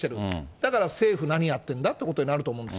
だから政府何やってんだってことになると思うんです。